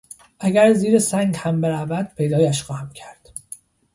اگر زیر سنگ هم برود پیدایش خواهم کرد!